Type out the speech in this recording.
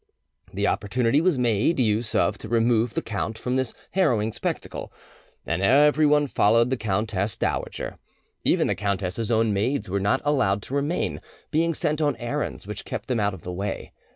The opportunity was made use of to remove the count from this harrowing spectacle, and everyone followed the countess dowager. Even the countess's own maids were not allowed to remain, being sent on errands which kept them out of the way.